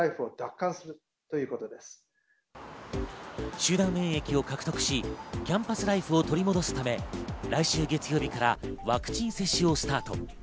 集団免疫を獲得し、キャンパスライフを取り戻すため、来週月曜日からワクチン接種をスタート。